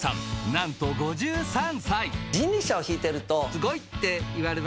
なんと５３歳！